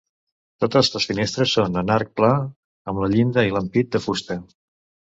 Totes les finestres són en arc pla, amb la llinda i l'ampit de fusta.